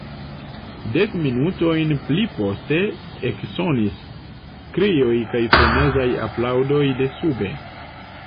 Dek minutojn pli poste eksonis krioj kaj frenezaj aplaŭdoj de sube.